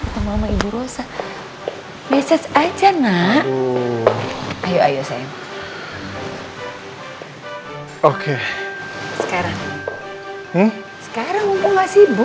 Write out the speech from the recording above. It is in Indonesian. ketemu sama ibu rosa besok aja nak ayo sayang oke sekarang